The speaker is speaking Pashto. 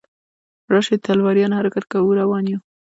راشئ تلواریانو حرکت کوو روان یو.